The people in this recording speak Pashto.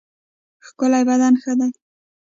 ښکلی بدن ښه دی.